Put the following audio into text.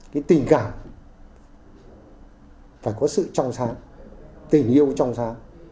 cái tình cảm phải có sự trong sáng tình yêu trong sáng